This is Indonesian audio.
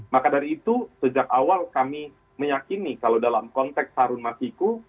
maka dari itu sejak awal kami meyakini kalau dalam konteks harun masiku